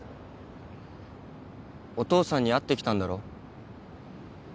お父さんに会ってきたんだろ？